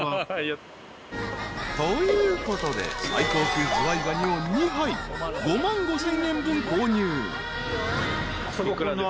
［ということで最高級ズワイガニを２杯５万５，０００円分購入］